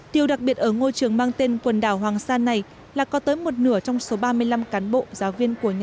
điều đặc biệt ở ngôi trường mang tên quần đảo hoàng sa này là có tới một nửa trong số ba mươi năm cán bộ giáo viên của nhà trường